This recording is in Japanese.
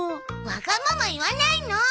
わがまま言わないの！